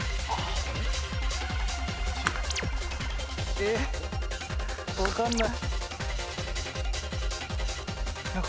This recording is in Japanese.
えっ分かんない。